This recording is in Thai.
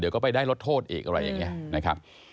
เดี๋ยวก็ไปได้ลดโทษเอกว่า